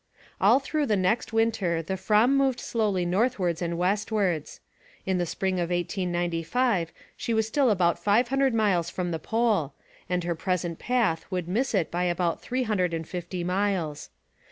All through the next winter the Fram moved slowly northwards and westwards. In the spring of 1895 she was still about five hundred miles from the Pole, and her present path would miss it by about three hundred and fifty miles.